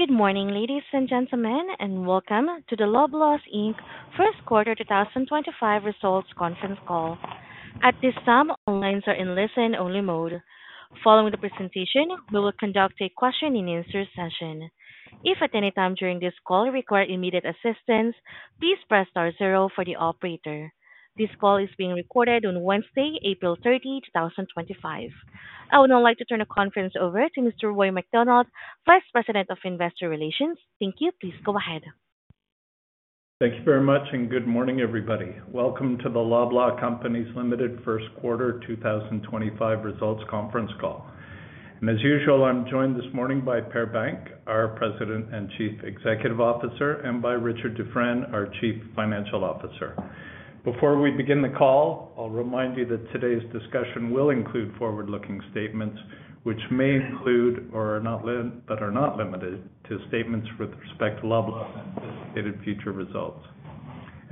Good morning, ladies and gentlemen, and welcome to the Loblaws Inc First Quarter 2025 Results Conference Call. At this time, all lines are in listen-only mode. Following the presentation, we will conduct a question and answer session. If at any time during this call you require immediate assistance, please press star zero for the operator. This call is being recorded on Wednesday, April 30, 2025. I would now like to turn the conference over to Mr. Roy MacDonald, Vice President of Investor Relations. Thank you. Please go ahead. Thank you very much, and good morning, everybody. Welcome to the Loblaw Companies Limited First Quarter 2025 Results Conference Call. As usual, I'm joined this morning by Per Bank, our President and Chief Executive Officer, and by Richard Dufresne, our Chief Financial Officer. Before we begin the call, I'll remind you that today's discussion will include forward-looking statements, which may include or are not limited to statements with respect to Loblaw's anticipated future results.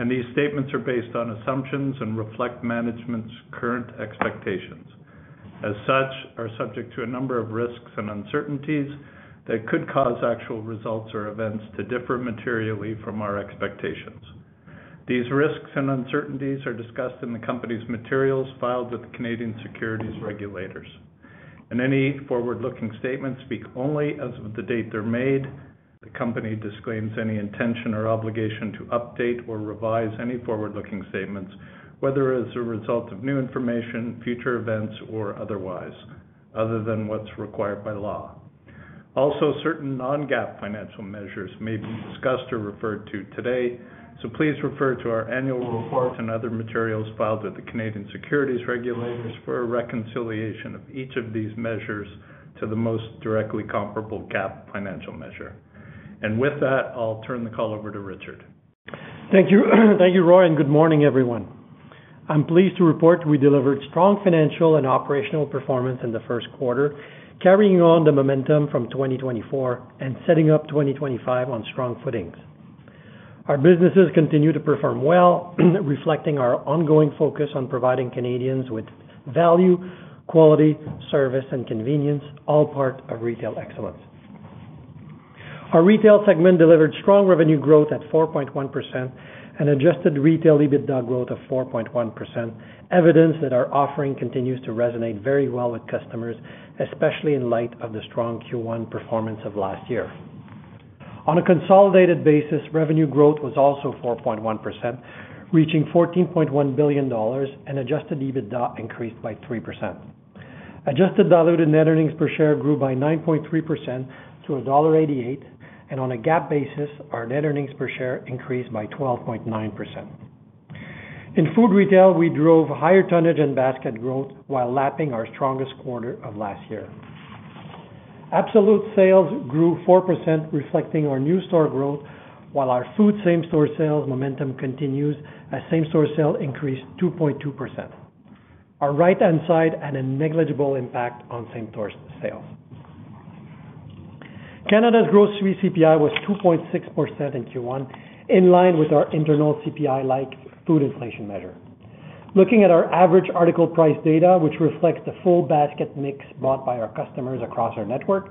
These statements are based on assumptions and reflect management's current expectations. As such, they are subject to a number of risks and uncertainties that could cause actual results or events to differ materially from our expectations. These risks and uncertainties are discussed in the company's materials filed with the Canadian securities regulators. Any forward-looking statements speak only as of the date they're made. The company disclaims any intention or obligation to update or revise any forward-looking statements, whether as a result of new information, future events, or otherwise, other than what's required by law. Also, certain non-GAAP financial measures may be discussed or referred to today, so please refer to our annual report and other materials filed with the Canadian securities regulators for a reconciliation of each of these measures to the most directly comparable GAAP financial measure. With that, I'll turn the call over to Richard. Thank you. Thank you, Roy, and good morning, everyone. I'm pleased to report we delivered strong financial and operational performance in the first quarter, carrying on the momentum from 2024 and setting up 2025 on strong footings. Our businesses continue to perform well, reflecting our ongoing focus on providing Canadians with value, quality, service, and convenience, all part of retail excellence. Our retail segment delivered strong revenue growth at 4.1% and adjusted retail EBITDA growth of 4.1%, evidence that our offering continues to resonate very well with customers, especially in light of the strong Q1 performance of last year. On a consolidated basis, revenue growth was also 4.1%, reaching 14.1 billion dollars, and adjusted EBITDA increased by 3%. Adjusted diluted net earnings per share grew by 9.3% to dollar 1.88, and on a GAAP basis, our net earnings per share increased by 12.9%. In food retail, we drove higher tonnage and basket growth while lapping our strongest quarter of last year. Absolute sales grew 4%, reflecting our new store growth, while our food same-store sales momentum continues as same-store sales increased 2.2%. Our right-hand side had a negligible impact on same-store sales. Canada's gross CPI was 2.6% in Q1, in line with our internal CPI-like food inflation measure. Looking at our average article price data, which reflects the full basket mix bought by our customers across our network,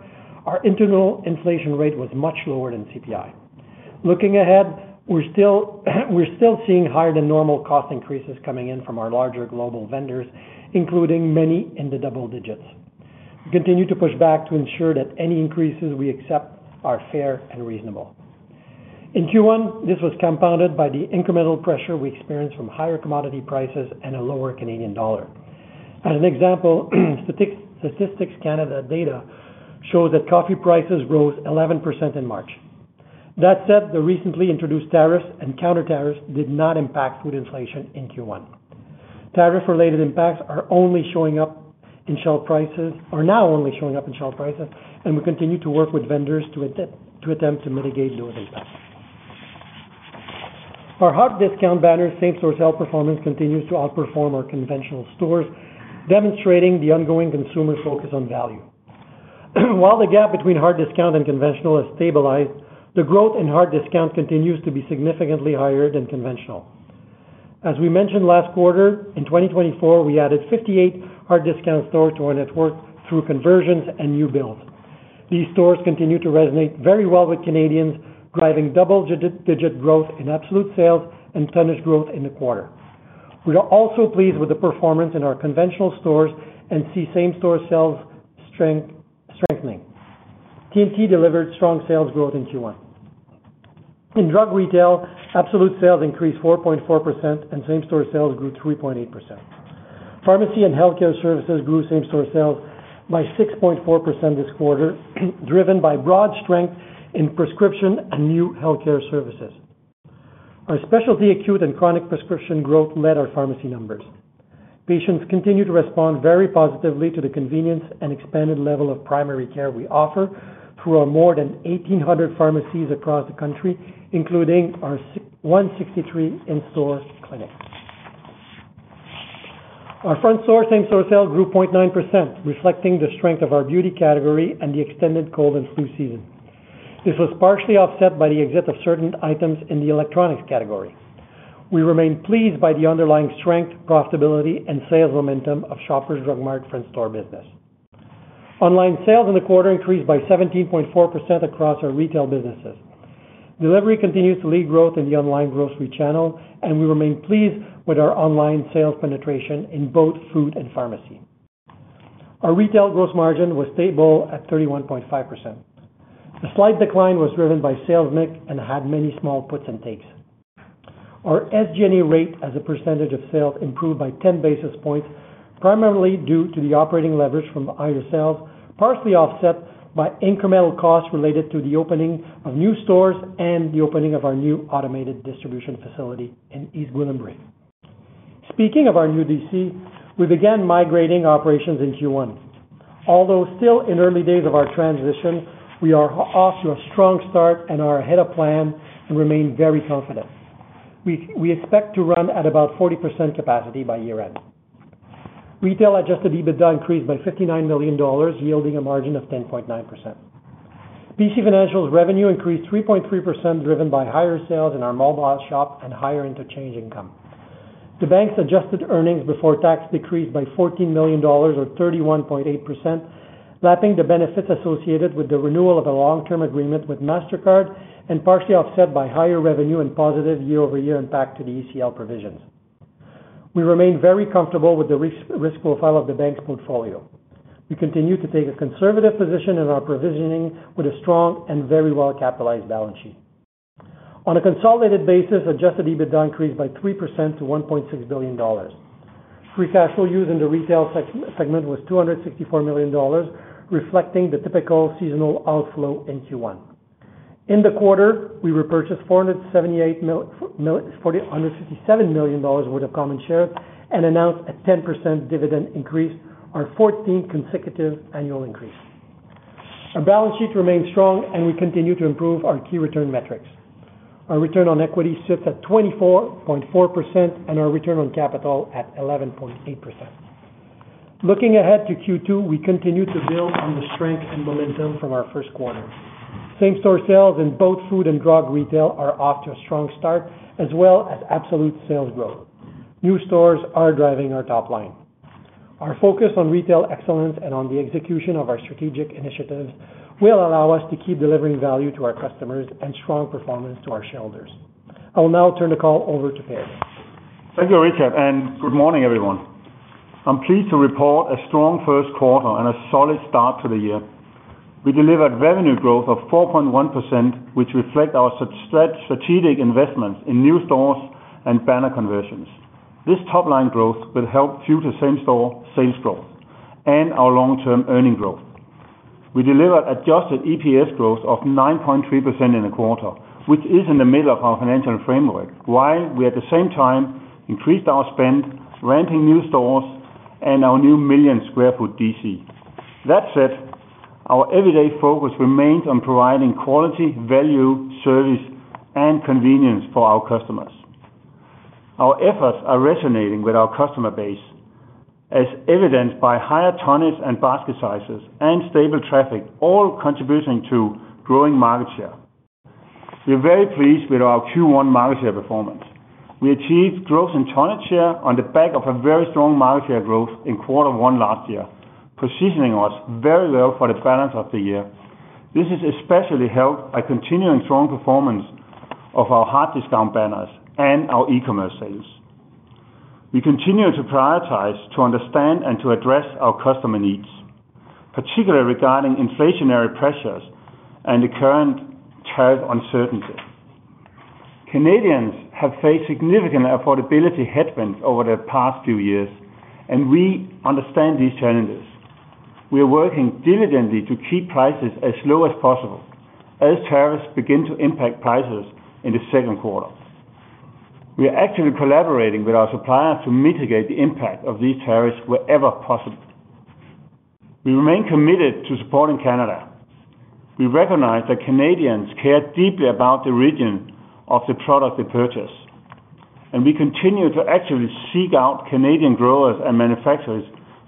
our internal inflation rate was much lower than CPI. Looking ahead, we're still seeing higher-than-normal cost increases coming in from our larger global vendors, including many in the double digits. We continue to push back to ensure that any increases we accept are fair and reasonable. In Q1, this was compounded by the incremental pressure we experienced from higher commodity prices and a lower Canadian dollar. As an example, Statistics Canada data shows that coffee prices rose 11% in March. That said, the recently introduced tariffs and countertariffs did not impact food inflation in Q1. Tariff-related impacts are only showing up in shelf prices, and we continue to work with vendors to attempt to mitigate those impacts. Our hard discount banner's same-store sale performance continues to outperform our conventional stores, demonstrating the ongoing consumer focus on value. While the gap between hard discount and conventional has stabilized, the growth in hard discount continues to be significantly higher than conventional. As we mentioned last quarter, in 2024, we added 58 hard discount stores to our network through conversions and new builds. These stores continue to resonate very well with Canadians, driving double-digit growth in absolute sales and tonnage growth in the quarter. We are also pleased with the performance in our conventional stores and see same-store sales strengthening. T&T delivered strong sales growth in Q1. In drug retail, absolute sales increased 4.4%, and same-store sales grew 3.8%. Pharmacy and healthcare services grew same-store sales by 6.4% this quarter, driven by broad strength in prescription and new healthcare services. Our specialty acute and chronic prescription growth led our pharmacy numbers. Patients continue to respond very positively to the convenience and expanded level of primary care we offer through our more than 1,800 pharmacies across the country, including our 163 in-store clinics. Our front-store same-store sales grew 0.9%, reflecting the strength of our beauty category and the extended cold and flu season. This was partially offset by the exit of certain items in the electronics category. We remain pleased by the underlying strength, profitability, and sales momentum of Shoppers Drug Mart front-store business. Online sales in the quarter increased by 17.4% across our retail businesses. Delivery continues to lead growth in the online grocery channel, and we remain pleased with our online sales penetration in both food and pharmacy. Our retail gross margin was stable at 31.5%. The slight decline was driven by sales mix and had many small puts and takes. Our SG&A rate as a percentage of sales improved by 10 basis points, primarily due to the operating leverage from higher sales, partially offset by incremental costs related to the opening of new stores and the opening of our new automated distribution facility in East Gwillimbury. Speaking of our new DC, we began migrating operations in Q1. Although still in early days of our transition, we are off to a strong start and are ahead of plan and remain very confident. We expect to run at about 40% capacity by year-end. Retail adjusted EBITDA increased by 59 million dollars, yielding a margin of 10.9%. PC Financial's revenue increased 3.3%, driven by higher sales in our Mobile Shop and higher interchange income. The bank's adjusted earnings before tax decreased by 14 million dollars, or 31.8%, lapping the benefits associated with the renewal of a long-term agreement with Mastercard and partially offset by higher revenue and positive year-over-year impact to the ECL provisions. We remain very comfortable with the risk profile of the bank's portfolio. We continue to take a conservative position in our provisioning with a strong and very well-capitalized balance sheet. On a consolidated basis, adjusted EBITDA increased by 3% to 1.6 billion dollars. Free cash flow used in the retail segment was 264 million dollars, reflecting the typical seasonal outflow in Q1. In the quarter, we repurchased 457 million dollars worth of common shares and announced a 10% dividend increase, our 14th consecutive annual increase. Our balance sheet remains strong, and we continue to improve our key return metrics. Our return on equity sits at 24.4% and our return on capital at 11.8%. Looking ahead to Q2, we continue to build on the strength and momentum from our first quarter. Same-store sales in both food and drug retail are off to a strong start, as well as absolute sales growth. New stores are driving our top line. Our focus on retail excellence and on the execution of our strategic initiatives will allow us to keep delivering value to our customers and strong performance to our shareholders. I will now turn the call over to Per. Thank you, Richard, and good morning, everyone. I'm pleased to report a strong first quarter and a solid start to the year. We delivered revenue growth of 4.1%, which reflects our strategic investments in new stores and banner conversions. This top-line growth will help future same-store sales growth and our long-term earning growth. We delivered adjusted EPS growth of 9.3% in the quarter, which is in the middle of our financial framework, while we at the same time increased our spend, ramping new stores and our new million-sq ft DC. That said, our everyday focus remains on providing quality, value, service, and convenience for our customers. Our efforts are resonating with our customer base, as evidenced by higher tonnage and basket sizes and stable traffic, all contributing to growing market share. We are very pleased with our Q1 market share performance. We achieved growth in tonnage share on the back of a very strong market share growth in quarter one last year, positioning us very well for the balance of the year. This is especially helped by continuing strong performance of our hard discount banners and our e-commerce sales. We continue to prioritize to understand and to address our customer needs, particularly regarding inflationary pressures and the current tariff uncertainty. Canadians have faced significant affordability headwinds over the past few years, and we understand these challenges. We are working diligently to keep prices as low as possible as tariffs begin to impact prices in the second quarter. We are actively collaborating with our suppliers to mitigate the impact of these tariffs wherever possible. We remain committed to supporting Canada. We recognize that Canadians care deeply about the region of the product they purchase, and we continue to actively seek out Canadian growers and manufacturers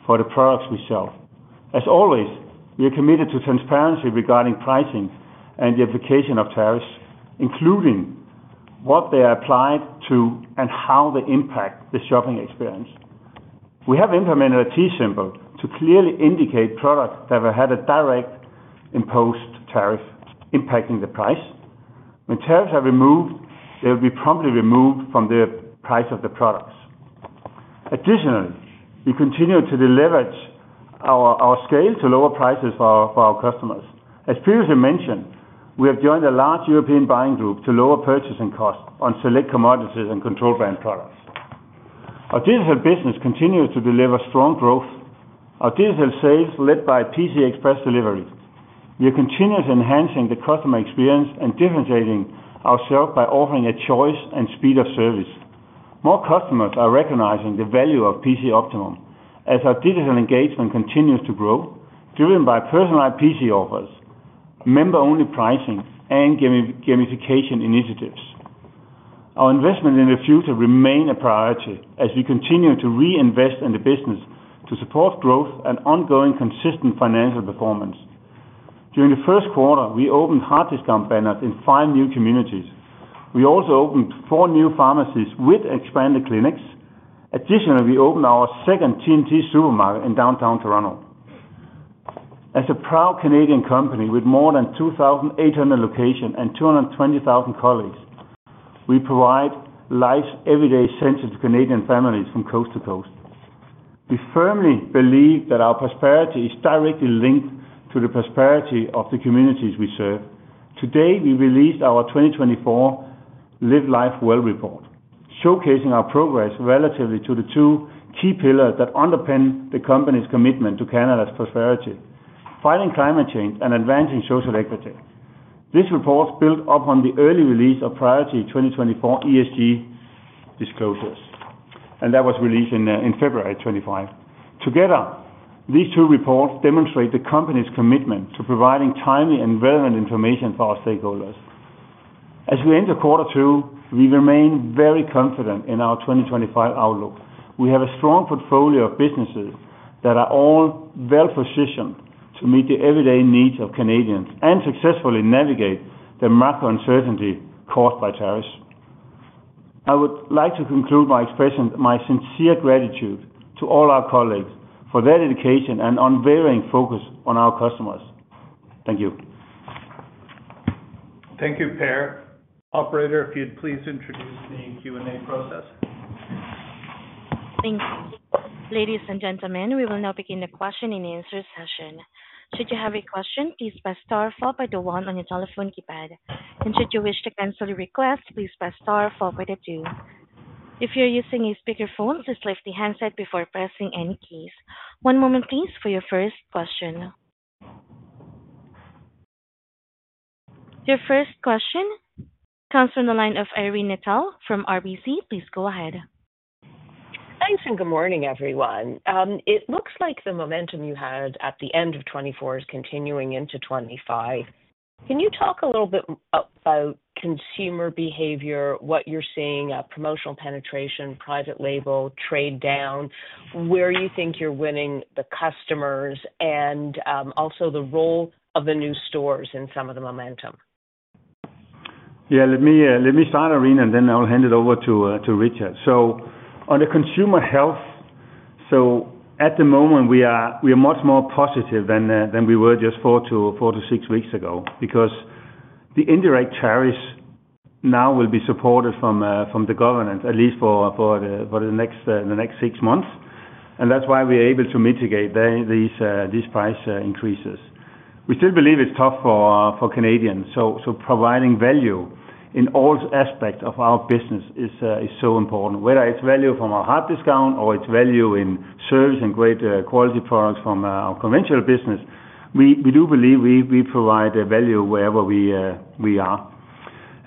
for the products we sell. As always, we are committed to transparency regarding pricing and the application of tariffs, including what they are applied to and how they impact the shopping experience. We have implemented a T symbol to clearly indicate products that have had a direct imposed tariff impacting the price. When tariffs are removed, they will be promptly removed from the price of the products. Additionally, we continue to leverage our scale to lower prices for our customers. As previously mentioned, we have joined a large European buying group to lower purchasing costs on select commodities and controlled brand products. Our digital business continues to deliver strong growth. Our digital sales, led by PC Express delivery, we are continuously enhancing the customer experience and differentiating ourselves by offering a choice and speed of service. More customers are recognizing the value of PC Optimum as our digital engagement continues to grow, driven by personalized PC offers, member-only pricing, and gamification initiatives. Our investment in the future remains a priority as we continue to reinvest in the business to support growth and ongoing consistent financial performance. During the first quarter, we opened hard discount banners in five new communities. We also opened four new pharmacies with expanded clinics. Additionally, we opened our second T&T Supermarket in downtown Toronto. As a proud Canadian company with more than 2,800 locations and 220,000 colleagues, we provide life's everyday essentials to Canadian families from coast to coast. We firmly believe that our prosperity is directly linked to the prosperity of the communities we serve. Today, we released our 2024 Live Life Well Report, showcasing our progress relative to the two key pillars that underpin the company's commitment to Canada's prosperity: fighting climate change and advancing social equity. This report is built upon the early release of Priority 2024 ESG disclosures, and that was released in February 2025. Together, these two reports demonstrate the company's commitment to providing timely and relevant information for our stakeholders. As we enter quarter two, we remain very confident in our 2025 outlook. We have a strong portfolio of businesses that are all well-positioned to meet the everyday needs of Canadians and successfully navigate the macro uncertainty caused by tariffs. I would like to conclude by expressing my sincere gratitude to all our colleagues for their dedication and unwavering focus on our customers. Thank you. Thank you, Per. Operator, if you'd please introduce the Q&A process. Thank you. Ladies and gentlemen, we will now begin the question and answer session. Should you have a question, please press star followed by the one on your telephone keypad. Should you wish to cancel your request, please press star followed by the two. If you're using a speakerphone, please lift the handset before pressing any keys. One moment, please, for your first question. Your first question comes from the line of Irene Nattel from RBC. Please go ahead. Thanks and good morning, everyone. It looks like the momentum you had at the end of 2024 is continuing into 2025. Can you talk a little bit about consumer behavior, what you're seeing at promotional penetration, private label, trade down, where you think you're winning the customers, and also the role of the new stores in some of the momentum? Yeah, let me start, Irene, and then I'll hand it over to Richard. On the consumer health, at the moment, we are much more positive than we were just four to six weeks ago because the indirect tariffs now will be supported from the government, at least for the next six months. That's why we are able to mitigate these price increases. We still believe it's tough for Canadians, so providing value in all aspects of our business is so important. Whether it's value from our hard discount or it's value in service and great quality products from our conventional business, we do believe we provide value wherever we are.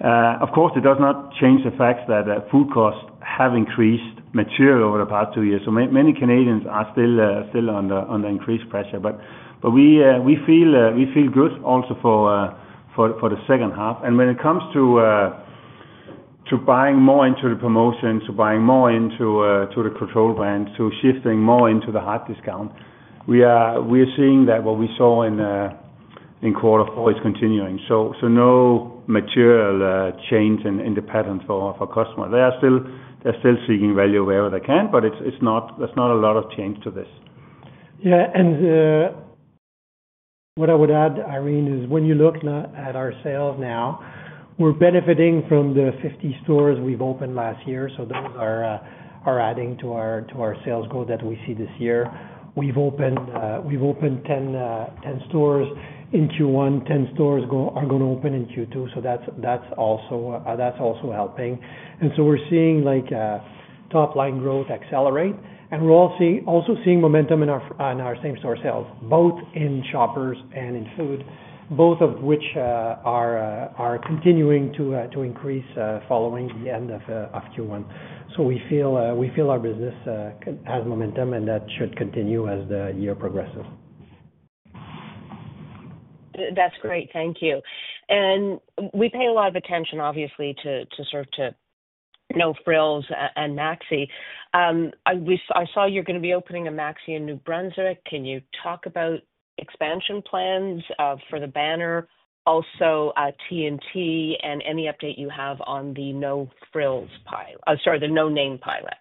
Of course, it does not change the fact that food costs have increased materially over the past two years, so many Canadians are still under increased pressure. We feel good also for the second half. When it comes to buying more into the promotions, to buying more into the controlled brands, to shifting more into the hard discount, we are seeing that what we saw in quarter four is continuing. No material change in the pattern for customers. They are still seeking value wherever they can, but there is not a lot of change to this. Yeah, and what I would add, Irene, is when you look at our sales now, we're benefiting from the 50 stores we've opened last year, so those are adding to our sales growth that we see this year. We've opened 10 stores in Q1, 10 stores are going to open in Q2, so that's also helping. We are seeing top-line growth accelerate, and we're also seeing momentum in our same-store sales, both in Shoppers and in food, both of which are continuing to increase following the end of Q1. We feel our business has momentum, and that should continue as the year progresses. That's great. Thank you. We pay a lot of attention, obviously, to No Frills and Maxi. I saw you're going to be opening a Maxi in New Brunswick. Can you talk about expansion plans for the banner, also T&T, and any update you have on the No Frills pilot? Sorry, the No Name pilot.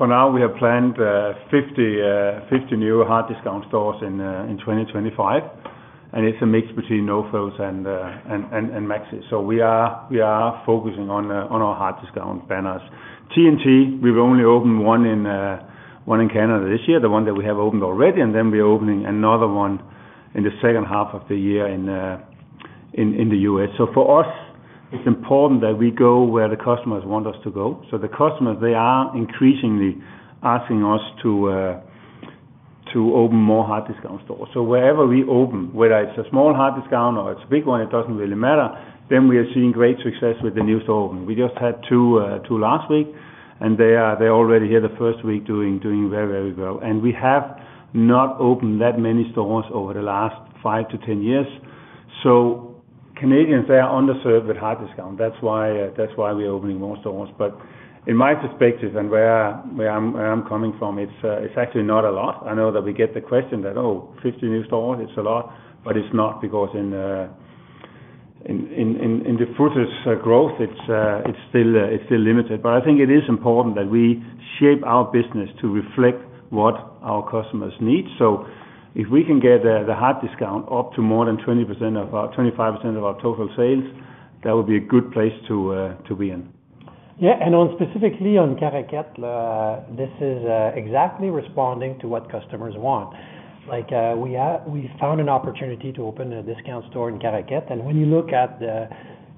For now, we have planned 50 new hard discount stores in 2025, and it's a mix between No Frills and Maxi. We are focusing on our hard discount banners. T&T, we've only opened one in Canada this year, the one that we have opened already, and then we're opening another one in the second half of the year in the U.S. For us, it's important that we go where the customers want us to go. The customers, they are increasingly asking us to open more hard discount stores. Wherever we open, whether it's a small hard discount or it's a big one, it doesn't really matter, we are seeing great success with the new store opening. We just had two last week, and they are already here the first week doing very, very well. We have not opened that many stores over the last five to ten years. Canadians are underserved with hard discount. That is why we are opening more stores. In my perspective, and where I am coming from, it is actually not a lot. I know that we get the question that, "Oh, 50 new stores, it is a lot," but it is not because in the footer's growth, it is still limited. I think it is important that we shape our business to reflect what our customers need. If we can get the hard discount up to more than 20% or 25% of our total sales, that would be a good place to be in. Yeah, and specifically on Caraquet, this is exactly responding to what customers want. We found an opportunity to open a discount store in Caraquet, and when you look at the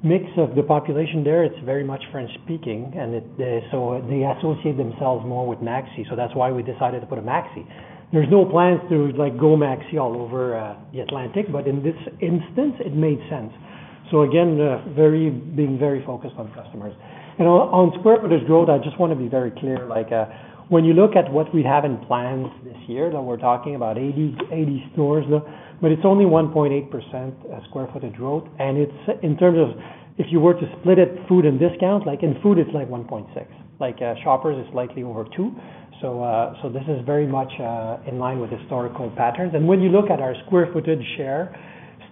mix of the population there, it's very much French-speaking, and so they associate themselves more with Maxi. That's why we decided to put a Maxi. There's no plans to go Maxi all over the Atlantic, but in this instance, it made sense. Again, being very focused on customers. On square footage growth, I just want to be very clear. When you look at what we have in plans this year, we're talking about 80 stores, but it's only 1.8% square footage growth. In terms of if you were to split it, food and discount, in food, it's like 1.6%. Shoppers is slightly over 2%. This is very much in line with historical patterns. When you look at our square footage share,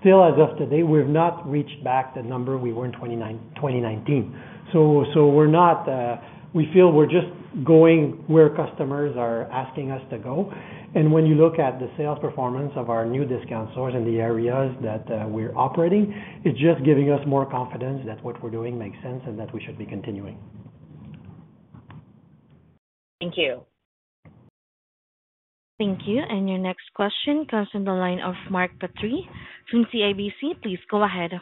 still as of today, we've not reached back the number we were in 2019. We feel we're just going where customers are asking us to go. When you look at the sales performance of our new discount stores in the areas that we're operating, it's just giving us more confidence that what we're doing makes sense and that we should be continuing. Thank you. Thank you. Your next question comes from the line of Mark Petrie from CIBC. Please go ahead.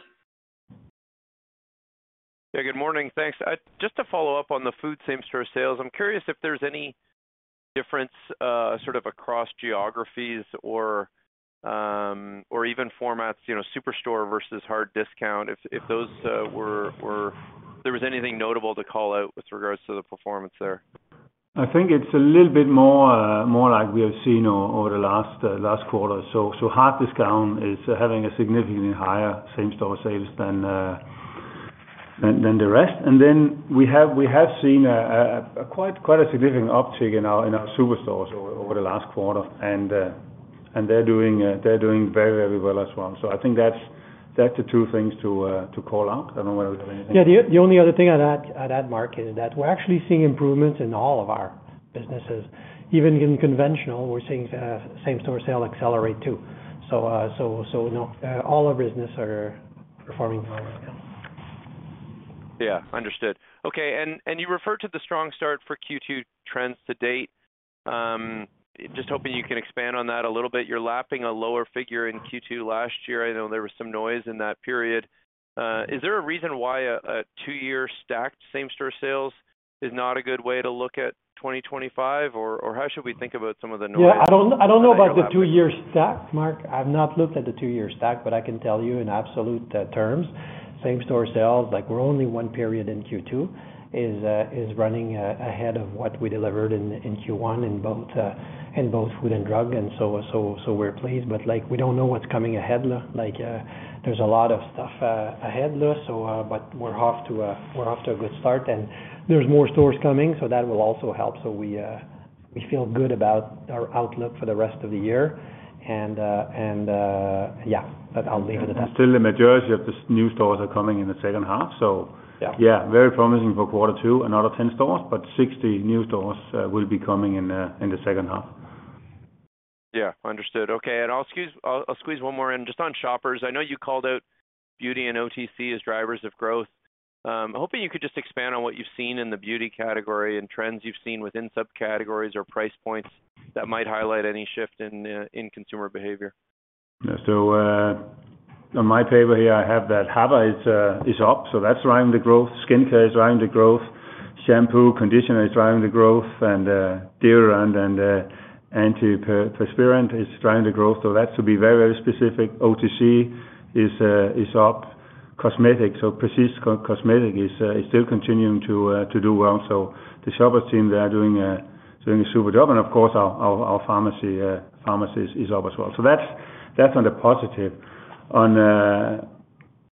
Yeah, good morning. Thanks. Just to follow up on the food same-store sales, I'm curious if there's any difference sort of across geographies or even formats, superstore versus hard discount, if there was anything notable to call out with regards to the performance there. I think it's a little bit more like we have seen over the last quarter. Hard discount is having a significantly higher same-store sales than the rest. We have seen quite a significant uptick in our superstores over the last quarter, and they're doing very, very well as well. I think that's the two things to call out. I don't know whether we have anything. Yeah, the only other thing I'd add, Mark, is that we're actually seeing improvements in all of our businesses. Even in conventional, we're seeing same-store sales accelerate too. All our businesses are performing well right now. Yeah, understood. Okay, and you referred to the strong start for Q2 trends to date. Just hoping you can expand on that a little bit. You're lapping a lower figure in Q2 last year. I know there was some noise in that period. Is there a reason why a two-year stacked same-store sales is not a good way to look at 2025, or how should we think about some of the noise? Yeah, I do not know about the two-year stack, Mark. I have not looked at the two-year stack, but I can tell you in absolute terms, same-store sales, we are only one period in Q2, is running ahead of what we delivered in Q1 in both food and drug, and we are pleased. We do not know what is coming ahead. There is a lot of stuff ahead, we are off to a good start, and there are more stores coming, that will also help. We feel good about our outlook for the rest of the year. Yeah, I will leave it at that. Still the majority of the new stores are coming in the second half. Yeah, very promising for quarter two, another 10 stores, but 60 new stores will be coming in the second half. Yeah, understood. Okay, and I'll squeeze one more in just on Shoppers. I know you called out beauty and OTC as drivers of growth. Hoping you could just expand on what you've seen in the beauty category and trends you've seen within subcategories or price points that might highlight any shift in consumer behavior. On my table here, I have that hair care is up, so that's driving the growth. Skincare is driving the growth. Shampoo, conditioner is driving the growth, and deodorant and antiperspirant is driving the growth. That's to be very, very specific. OTC is up. Cosmetics, so prestige cosmetics, is still continuing to do well. The Shoppers team, they are doing a super job. Of course, our pharmacy is up as well. That's on the positive.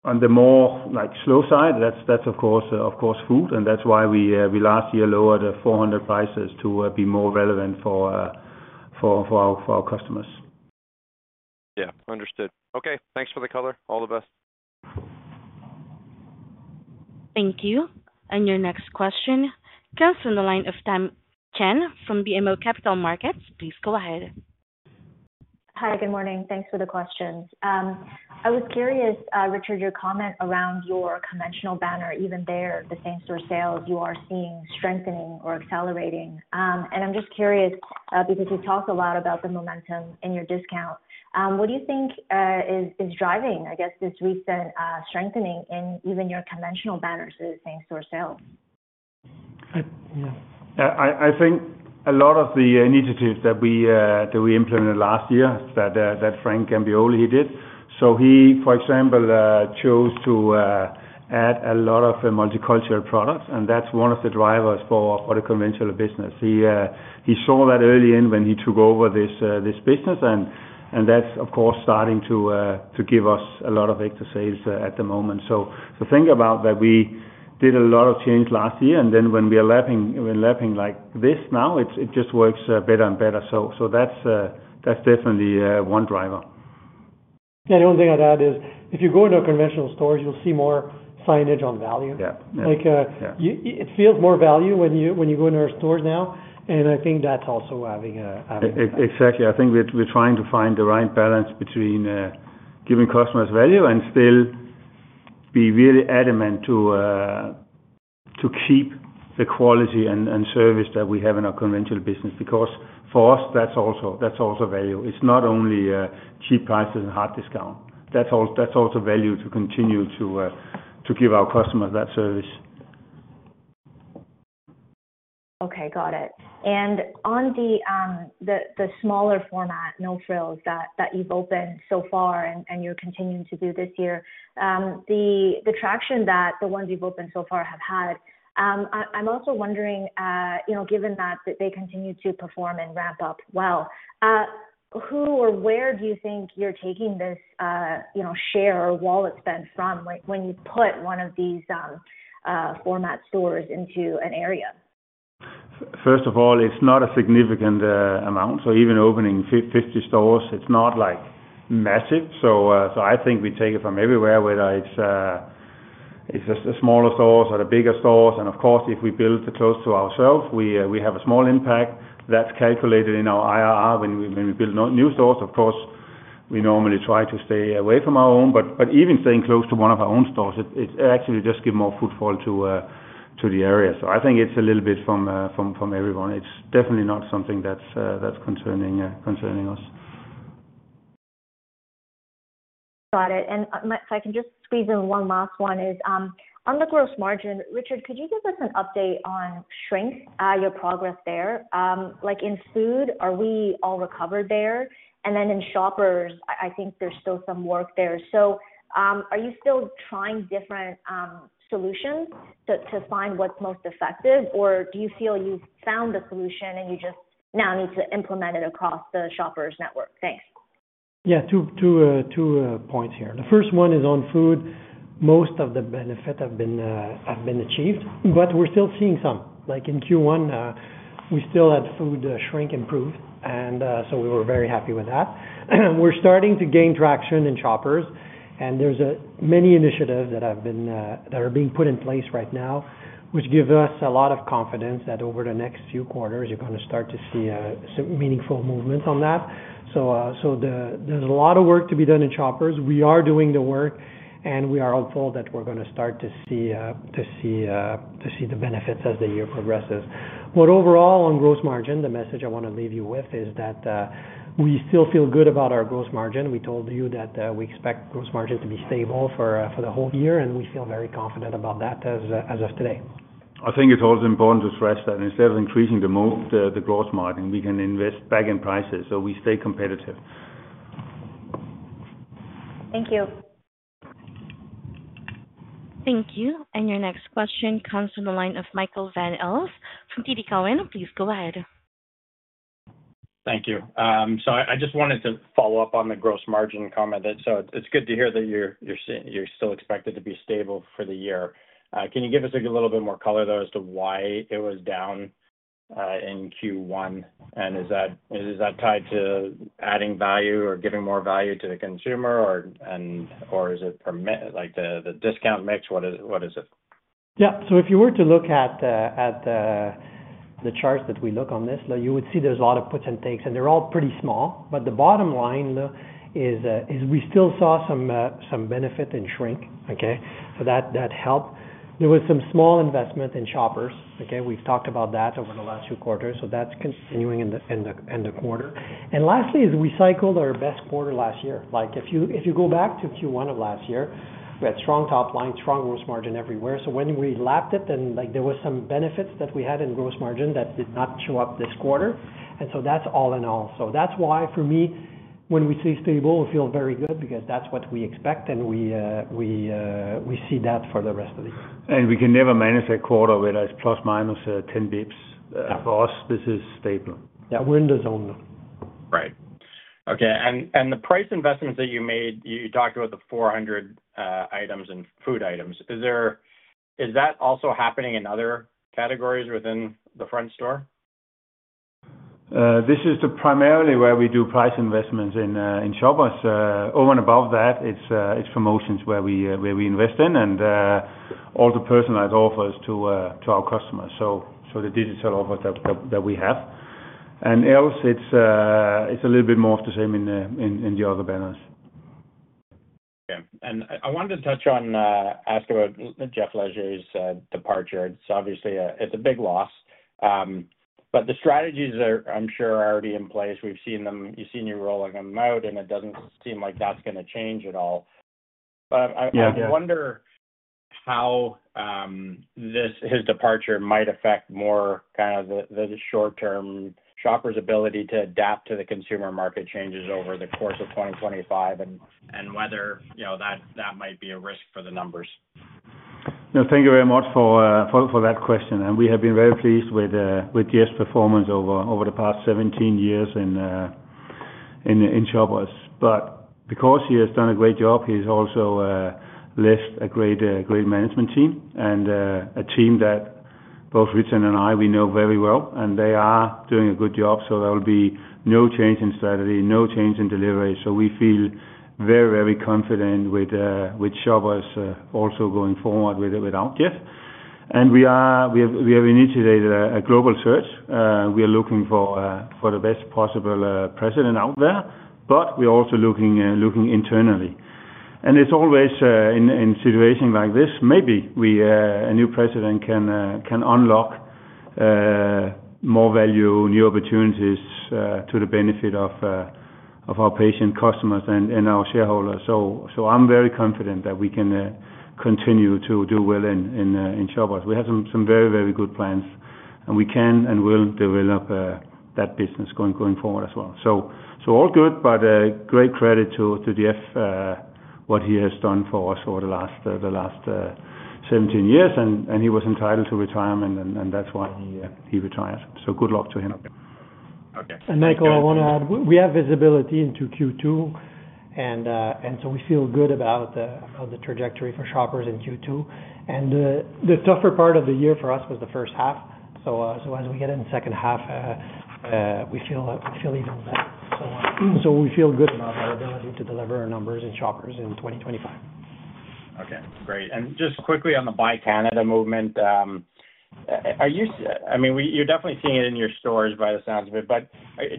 On the more slow side, that's of course food, and that's why we last year lowered 400 prices to be more relevant for our customers. Yeah, understood. Okay, thanks for the color. All the best. Thank you. Your next question comes from the line of Tamy Chen from BMO Capital Markets. Please go ahead. Hi, good morning. Thanks for the questions. I was curious, Richard, your comment around your conventional banner, even there, the same-store sales, you are seeing strengthening or accelerating. I am just curious because you talked a lot about the momentum in your discount. What do you think is driving, I guess, this recent strengthening in even your conventional banners to the same-store sales? Yeah, I think a lot of the initiatives that we implemented last year that Frank Gambioli, he did. He, for example, chose to add a lot of multicultural products, and that's one of the drivers for the conventional business. He saw that early in when he took over this business, and that's, of course, starting to give us a lot of extra sales at the moment. Think about that we did a lot of change last year, and then when we are lapping like this now, it just works better and better. That's definitely one driver. Yeah, the only thing I'd add is if you go into conventional stores, you'll see more signage on value. It feels more value when you go into our stores now, and I think that's also having an impact. Exactly. I think we're trying to find the right balance between giving customers value and still be really adamant to keep the quality and service that we have in our conventional business because for us, that's also value. It's not only cheap prices and hard discount. That's also value to continue to give our customers that service. Okay, got it. On the smaller format, No Frills that you've opened so far and you're continuing to do this year, the traction that the ones you've opened so far have had, I'm also wondering, given that they continue to perform and ramp up well, who or where do you think you're taking this share or wallet spend from when you put one of these format stores into an area? First of all, it's not a significant amount. Even opening 50 stores, it's not massive. I think we take it from everywhere, whether it's the smaller stores or the bigger stores. Of course, if we build close to ourselves, we have a small impact. That's calculated in our IRR when we build new stores. Of course, we normally try to stay away from our own, but even staying close to one of our own stores, it actually just gives more footfall to the area. I think it's a little bit from everyone. It's definitely not something that's concerning us. Got it. If I can just squeeze in one last one, it is on the gross margin. Richard, could you give us an update on shrink, your progress there? In food, are we all recovered there? In Shoppers, I think there is still some work there. Are you still trying different solutions to find what is most effective, or do you feel you have found the solution and you just now need to implement it across the Shoppers network? Thanks. Yeah, two points here. The first one is on food. Most of the benefits have been achieved, but we're still seeing some. In Q1, we still had food shrink improved, and so we were very happy with that. We're starting to gain traction in Shoppers, and there's many initiatives that are being put in place right now, which gives us a lot of confidence that over the next few quarters, you're going to start to see some meaningful movements on that. There is a lot of work to be done in Shoppers. We are doing the work, and we are hopeful that we're going to start to see the benefits as the year progresses. Overall, on gross margin, the message I want to leave you with is that we still feel good about our gross margin. We told you that we expect gross margin to be stable for the whole year, and we feel very confident about that as of today. I think it's always important to stress that instead of increasing the gross margin, we can invest back in prices so we stay competitive. Thank you. Thank you. Your next question comes from the line of Michael Van Aelst from TD Cowen. Please go ahead. Thank you. I just wanted to follow up on the gross margin comment. It's good to hear that you're still expected to be stable for the year. Can you give us a little bit more color, though, as to why it was down in Q1? Is that tied to adding value or giving more value to the consumer, or is it the discount mix? What is it? Yeah, so if you were to look at the charts that we look on this, you would see there's a lot of puts and takes, and they're all pretty small. The bottom line is we still saw some benefit in shrink, okay? That helped. There was some small investment in Shoppers, okay, we've talked about that over the last few quarters, so that's continuing in the quarter. Lastly, we cycled our best quarter last year. If you go back to Q1 of last year, we had strong top line, strong gross margin everywhere. When we lapped it, there were some benefits that we had in gross margin that did not show up this quarter. That's all in all. That's why, for me, when we see stable, it feels very good because that's what we expect, and we see that for the rest of the year. We can never manage a quarter where there's plus minus 10 basis points. For us, this is stable. Yeah, we're in the zone now. Right. Okay. The price investments that you made, you talked about the 400 items in food items. Is that also happening in other categories within the front store? This is primarily where we do price investments in Shoppers. Over and above that, it's promotions where we invest in and all the personalized offers to our customers. The digital offers that we have. Else, it's a little bit more of the same in the other banners. Yeah. I wanted to touch on ask about Jeff Leger's departure. It's obviously a big loss, but the strategies are, I'm sure, already in place. You've seen you rolling them out, and it doesn't seem like that's going to change at all. I wonder how his departure might affect more kind of the short-term Shoppers' ability to adapt to the consumer market changes over the course of 2025 and whether that might be a risk for the numbers. Thank you very much for that question. We have been very pleased with Jeff's performance over the past 17 years in Shoppers. Because he has done a great job, he has also left a great management team and a team that both Richard and I know very well, and they are doing a good job. There will be no change in strategy, no change in delivery. We feel very, very confident with Shoppers also going forward without Jeff. We have initiated a global search. We are looking for the best possible president out there, but we are also looking internally. It is always in situations like this, maybe a new president can unlock more value, new opportunities to the benefit of our patient customers and our shareholders. I am very confident that we can continue to do well in Shoppers. We have some very, very good plans, and we can and will develop that business going forward as well. All good, but great credit to Jeff, what he has done for us over the last 17 years, and he was entitled to retirement, and that's why he retired. Good luck to him. Michael, I want to add, we have visibility into Q2, and we feel good about the trajectory for Shoppers in Q2. The tougher part of the year for us was the first half. As we get in the second half, we feel even better. We feel good about our ability to deliver our numbers in Shoppers in 2025. Okay, great. Just quickly on the Buy Canadian movement, I mean, you're definitely seeing it in your stores by the sounds of it, but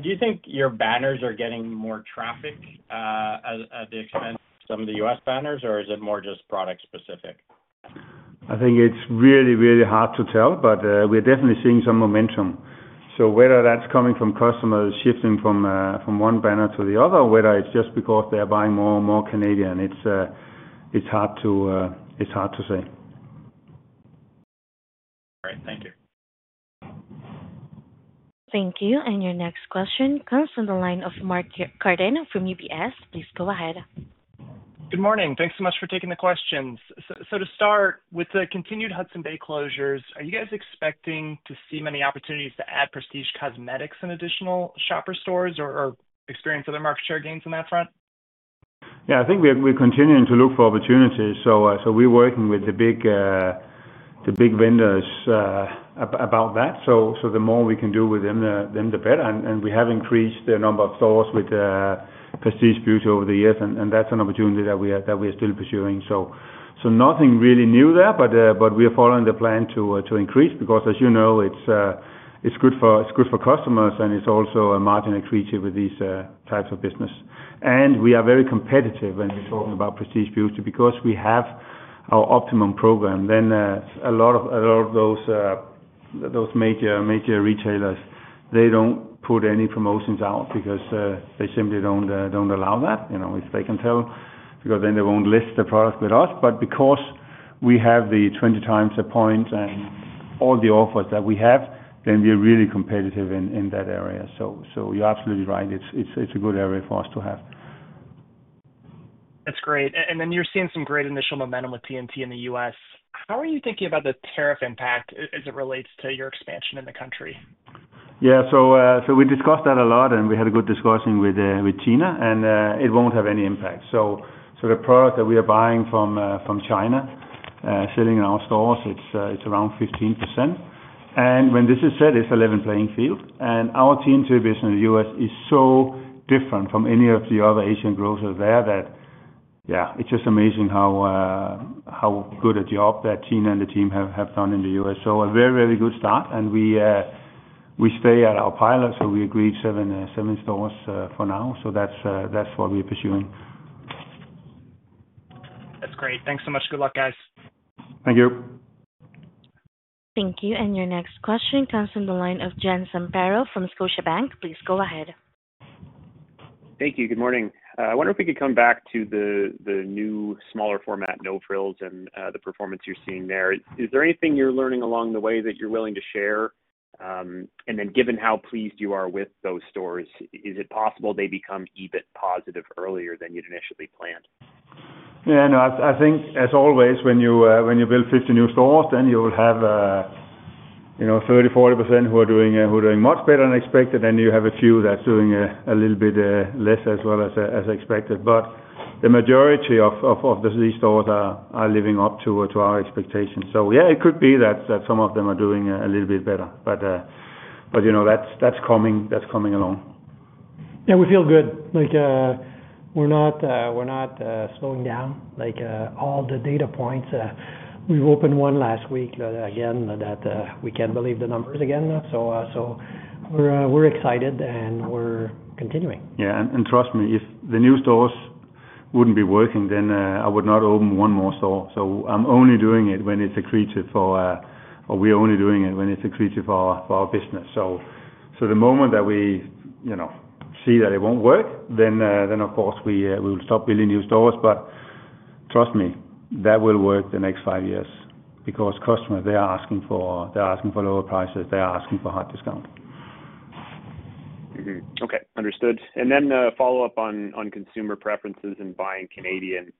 do you think your banners are getting more traffic at the expense of some of the U.S. banners, or is it more just product-specific? I think it's really, really hard to tell, but we're definitely seeing some momentum. Whether that's coming from customers shifting from one banner to the other, whether it's just because they're buying more and more Canadian, it's hard to say. All right, thank you. Thank you. Your next question comes from the line of Mark Carden from UBS. Please go ahead. Good morning. Thanks so much for taking the questions. To start, with the continued Hudson Bay closures, are you guys expecting to see many opportunities to add Prestige Cosmetics in additional Shoppers stores or experience other market share gains on that front? Yeah, I think we're continuing to look for opportunities. We're working with the big vendors about that. The more we can do with them, the better. We have increased the number of stores with Prestige Beauty over the years, and that's an opportunity that we are still pursuing. Nothing really new there, but we are following the plan to increase because, as you know, it's good for customers, and it's also margin accretive with these types of business. We are very competitive when we're talking about Prestige Beauty because we have our Optimum program. A lot of those major retailers, they don't put any promotions out because they simply don't allow that. If they can tell, because then they won't list the product with us. Because we have the 20 times a point and all the offers that we have, we are really competitive in that area. You're absolutely right. It's a good area for us to have. That's great. You are seeing some great initial momentum with T&T in the U.S. How are you thinking about the tariff impact as it relates to your expansion in the country? Yeah, we discussed that a lot, and we had a good discussion with Tina, and it won't have any impact. The product that we are buying from China selling in our stores, it's around 15%. When this is said, it's an 11-playing field. Our T&T business in the U.S. is so different from any of the other Asian growers there that, yeah, it's just amazing how good a job that Tina and the team have done in the U.S. A very, very good start. We stay at our pilot, so we agreed seven stores for now. That's what we're pursuing. That's great. Thanks so much. Good luck, guys. Thank you. Thank you. Your next question comes from the line of John Zamparo from Scotiabank. Please go ahead. Thank you. Good morning. I wonder if we could come back to the new smaller format, No Frills, and the performance you're seeing there. Is there anything you're learning along the way that you're willing to share? Given how pleased you are with those stores, is it possible they become EBIT positive earlier than you'd initially planned? Yeah, no, I think as always, when you build 50 new stores, then you will have 30%-40% who are doing much better than expected, and you have a few that's doing a little bit less as well as expected. The majority of these stores are living up to our expectations. Yeah, it could be that some of them are doing a little bit better, but that's coming along. Yeah, we feel good. We're not slowing down. All the data points, we've opened one last week again that we can't believe the numbers again. We are excited, and we're continuing. Yeah. Trust me, if the new stores would not be working, I would not open one more store. I am only doing it when it is accretive for, or we are only doing it when it is accretive for our business. The moment that we see that it will not work, of course we will stop building new stores. Trust me, that will work the next five years because customers are asking for lower prices. They are asking for hot discounts. Okay, understood. Then follow up on consumer preferences and buying Canadian.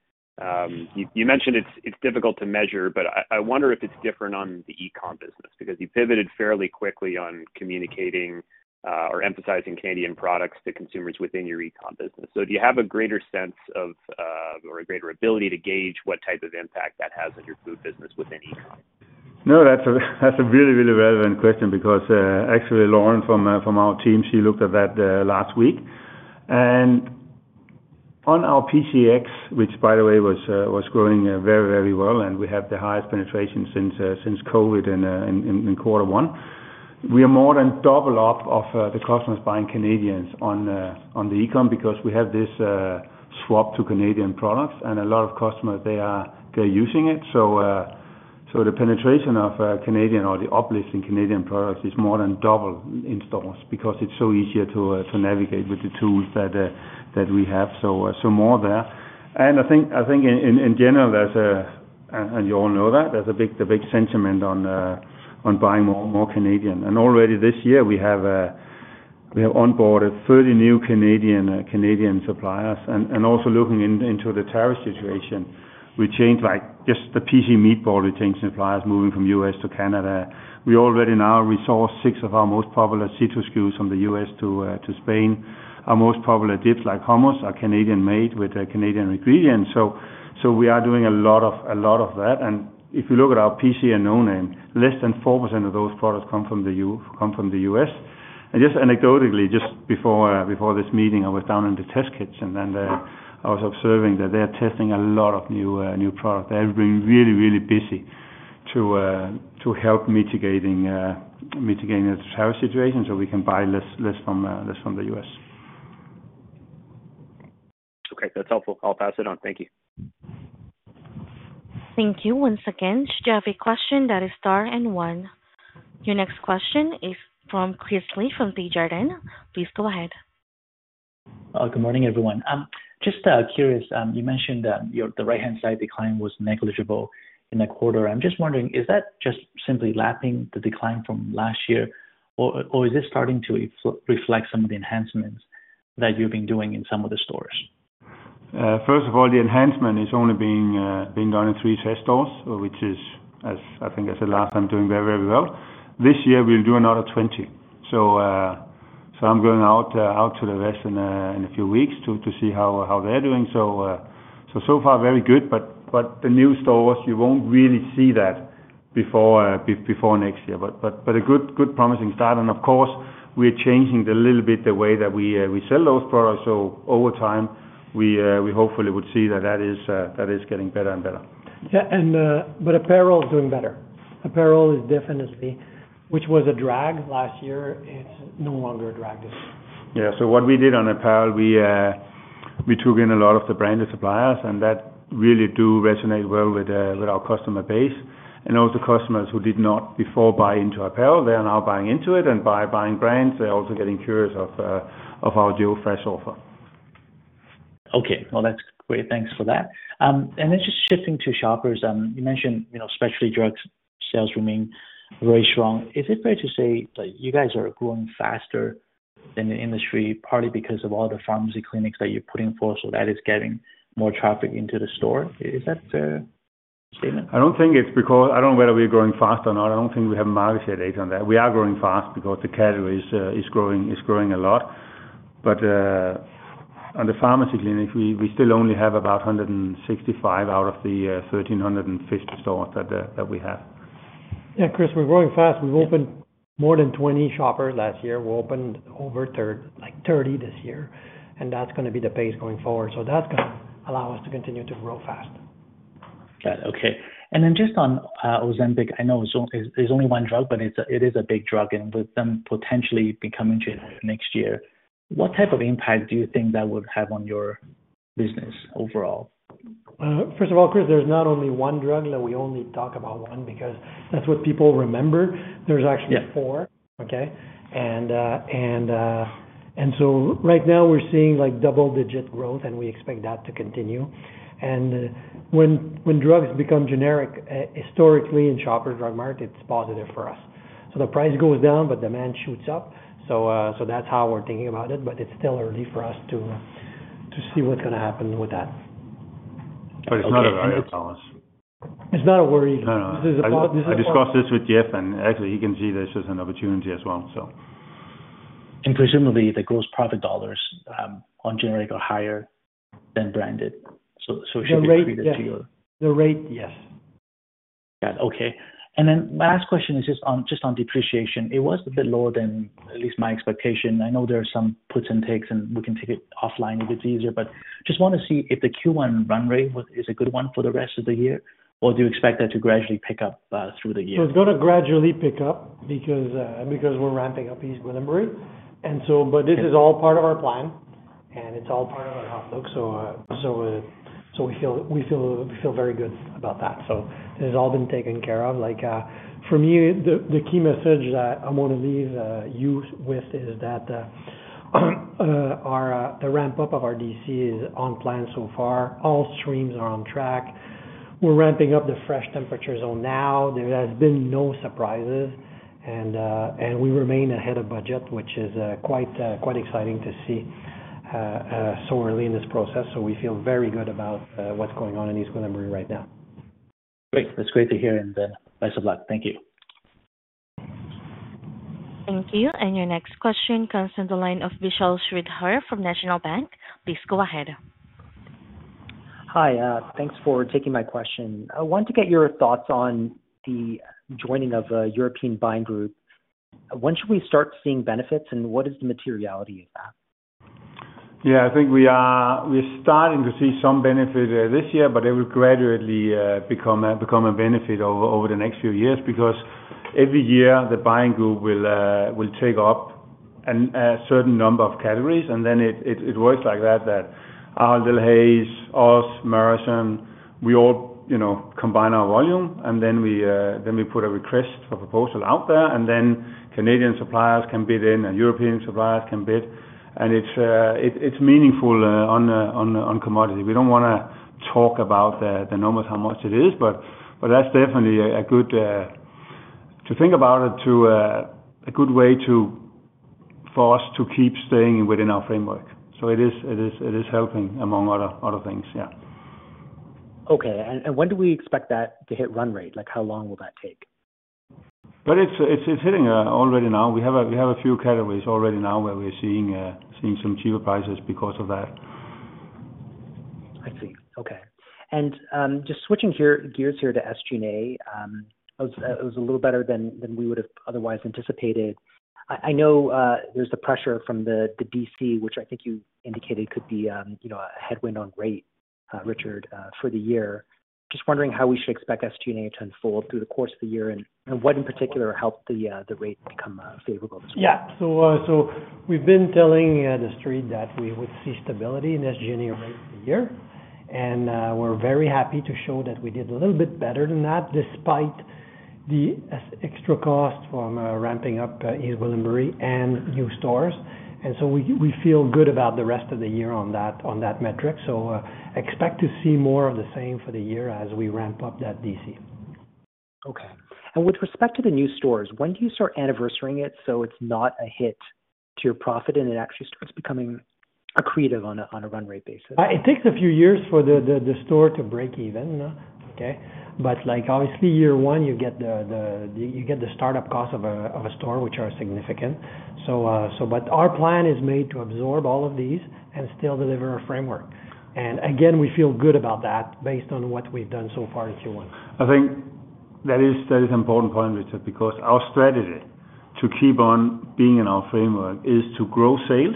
You mentioned it's difficult to measure, but I wonder if it's different on the e-comm business because you pivoted fairly quickly on communicating or emphasizing Canadian products to consumers within your e-comm business. Do you have a greater sense of, or a greater ability to gauge what type of impact that has on your food business within e-comm? No, that's a really, really relevant question because actually, Lauren from our team, she looked at that last week. On our PC Ex, which by the way was growing very, very well, and we had the highest penetration since COVID in quarter one, we are more than double up of the customers buying Canadians on the e-comm because we have this swap to Canadian products, and a lot of customers, they are using it. The penetration of Canadian or the uplift in Canadian products is more than double in stores because it's so easier to navigate with the tools that we have. More there. I think in general, and you all know that, there's a big sentiment on buying more Canadian. Already this year, we have onboarded 30 new Canadian suppliers. Also looking into the tariff situation, we changed just the PC meatballs remaining suppliers moving from the U.S. to Canada. We already now resource six of our most popular citrus SKUs from the U.S. to Spain. Our most popular dips like hummus are Canadian-made with Canadian ingredients. We are doing a lot of that. If you look at our PC and No Name, less than 4% of those products come from the U.S. Anecdotally, just before this meeting, I was down in the test kitchen, and I was observing that they're testing a lot of new products. They're being really, really busy to help mitigating the tariff situation so we can buy less from the U.S. Okay, that's helpful. I'll pass it on. Thank you. Thank you once again. Should you have a question, that is star and one. Your next question is from Chris Li from Desjardins. Please go ahead. Good morning, everyone. Just curious, you mentioned the right-hand side decline was negligible in the quarter. I'm just wondering, is that just simply lapping the decline from last year, or is this starting to reflect some of the enhancements that you've been doing in some of the stores? First of all, the enhancement is only being done in three test stores, which is, I think I said last time, doing very, very well. This year, we'll do another 20. I'm going out to the west in a few weeks to see how they're doing. So far, very good, but the new stores, you won't really see that before next year. A good promising start. Of course, we're changing a little bit the way that we sell those products. Over time, we hopefully would see that that is getting better and better. Yeah. Apparel is doing better. Apparel is definitely, which was a drag last year. It's no longer a drag this year. Yeah. What we did on apparel, we took in a lot of the branded suppliers, and that really does resonate well with our customer base. Also, customers who did not before buy into apparel, they are now buying into it. By buying brands, they're also getting curious of our Joe Fresh offer. Okay. That's great. Thanks for that. Just shifting to Shoppers, you mentioned specialty drug sales remain very strong. Is it fair to say that you guys are growing faster than the industry, partly because of all the pharmacy clinics that you're putting forth, so that is getting more traffic into the store? Is that a statement? I don't think it's because I don't know whether we're growing fast or not. I don't think we have market share data on that. We are growing fast because the category is growing a lot. On the pharmacy clinics, we still only have about 165 out of the 1,350 stores that we have. Yeah, Chris, we're growing fast. We've opened more than 20 Shoppers last year. We opened over 30 this year, and that's going to be the pace going forward. That's going to allow us to continue to grow fast. Got it. Okay. And then just on Ozempic, I know it's only one drug, but it is a big drug, and with them potentially becoming next year, what type of impact do you think that would have on your business overall? First of all, Chris, there's not only one drug that we only talk about one because that's what people remember. There's actually four, okay? Right now, we're seeing double-digit growth, and we expect that to continue. When drugs become generic, historically, in Shoppers Drug Mart, it's positive for us. The price goes down, but demand shoots up. That's how we're thinking about it, but it's still early for us to see what's going to happen with that. It is not a worry. It's not a worry. No, no. I discussed this with Jeff, and actually, he can see this as an opportunity as well. Presumably, the gross profit dollars on generic are higher than branded. It should be accretive to your. The rate, yes. Got it. Okay. Last question is just on depreciation. It was a bit lower than at least my expectation. I know there are some puts and takes, and we can take it offline if it's easier, but just want to see if the Q1 run rate is a good one for the rest of the year, or do you expect that to gradually pick up through the year? It is going to gradually pick up because we're ramping up East Gwillimbury. This is all part of our plan, and it's all part of our outlook. We feel very good about that. It has all been taken care of. For me, the key message that I want to leave you with is that the ramp-up of our DC is on plan so far. All streams are on track. We're ramping up the fresh temperature zone now. There have been no surprises, and we remain ahead of budget, which is quite exciting to see so early in this process. We feel very good about what's going on in East Gwillimbury right now. Great. That's great to hear, and best of luck. Thank you. Thank you. Your next question comes from the line of Vishal Shreedhar from National Bank. Please go ahead. Hi. Thanks for taking my question. I want to get your thoughts on the joining of a European buying group. When should we start seeing benefits, and what is the materiality of that? Yeah, I think we are starting to see some benefit this year, but it will gradually become a benefit over the next few years because every year, the buying group will take up a certain number of categories. It works like that, that Ahold Delhaize, more of them, we all combine our volume, and then we put a request for proposal out there, and then Canadian suppliers can bid in, and European suppliers can bid. It is meaningful on commodity. We do not want to talk about the numbers, how much it is, but that is definitely a good way to think about it, a good way for us to keep staying within our framework. It is helping among other things, yeah. Okay. When do we expect that to hit run rate? How long will that take? It is hitting already now. We have a few categories already now where we are seeing some cheaper prices because of that. I see. Okay. Just switching gears here to SG&A, it was a little better than we would have otherwise anticipated. I know there's the pressure from the DC, which I think you indicated could be a headwind on rate, Richard, for the year. Just wondering how we should expect SG&A to unfold through the course of the year and what in particular helped the rate become favorable this year. Yeah. We have been telling the street that we would see stability in SG&A rate this year. We are very happy to show that we did a little bit better than that despite the extra cost from ramping up East Gwillimbury and new stores. We feel good about the rest of the year on that metric. Expect to see more of the same for the year as we ramp up that DC. Okay. With respect to the new stores, when do you start anniversarying it so it's not a hit to your profit and it actually starts becoming accretive on a run rate basis? It takes a few years for the store to break even, okay? Obviously, year one, you get the startup cost of a store, which are significant. Our plan is made to absorb all of these and still deliver a framework. Again, we feel good about that based on what we've done so far in Q1. I think that is an important point, Richard, because our strategy to keep on being in our framework is to grow sales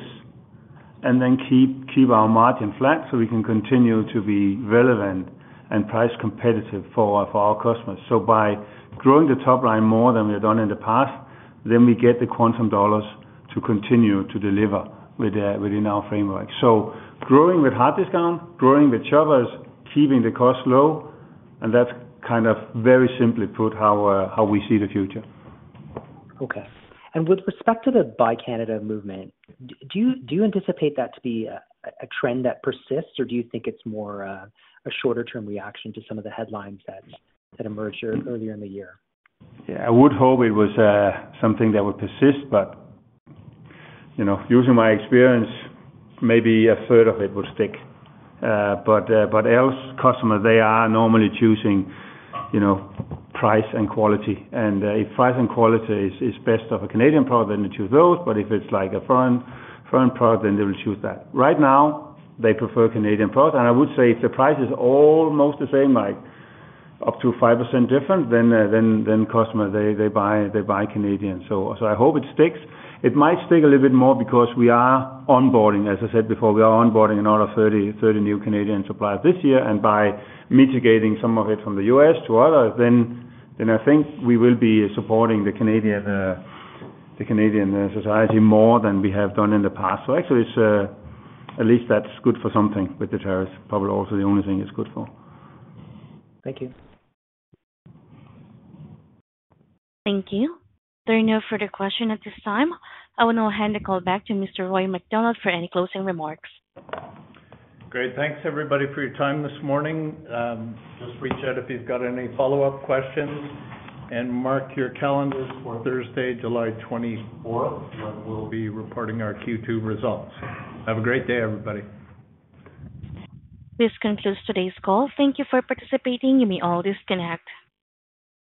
and then keep our margin flat so we can continue to be relevant and price competitive for our customers. By growing the top line more than we have done in the past, we get the quantum dollars to continue to deliver within our framework. Growing with hard discount, growing with Shoppers, keeping the cost low, and that's kind of very simply put how we see the future. Okay. With respect to the Buy Canadian movement, do you anticipate that to be a trend that persists, or do you think it's more a shorter-term reaction to some of the headlines that emerged earlier in the year? Yeah. I would hope it was something that would persist, but using my experience, maybe a third of it would stick. Else, customers, they are normally choosing price and quality. If price and quality is best of a Canadian product, then they choose those. If it is a foreign product, then they will choose that. Right now, they prefer Canadian products. I would say if the price is almost the same, up to 5% different, then customers, they buy Canadian. I hope it sticks. It might stick a little bit more because we are onboarding, as I said before, we are onboarding another 30 new Canadian suppliers this year. By mitigating some of it from the U.S. to others, I think we will be supporting the Canadian society more than we have done in the past. Actually, at least that's good for something with the tariffs. Probably also the only thing it's good for. Thank you. Thank you. There are no further questions at this time. I will now hand the call back to Mr. Roy MacDonald for any closing remarks. Great. Thanks, everybody, for your time this morning. Just reach out if you've got any follow-up questions and mark your calendars for Thursday, July 24, when we'll be reporting our Q2 results. Have a great day, everybody. This concludes today's call. Thank you for participating. You may all disconnect.